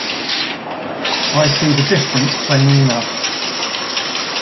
I see the difference plainly enough.